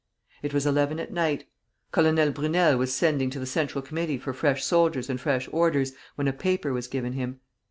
It was eleven at night; Colonel Brunel was sending to the Central Committee for fresh soldiers and fresh orders, when a paper was given him.